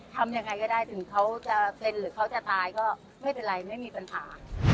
ทำยังไงก็ได้ถึงเขาจะเซ็นหรือเขาจะตายก็ไม่เป็นไรไม่มีปัญหา